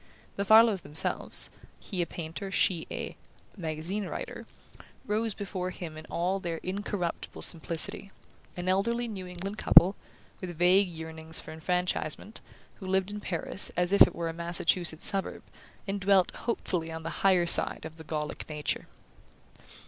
The Farlows themselves he a painter, she a "magazine writer" rose before him in all their incorruptible simplicity: an elderly New England couple, with vague yearnings for enfranchisement, who lived in Paris as if it were a Massachusetts suburb, and dwelt hopefully on the "higher side" of the Gallic nature.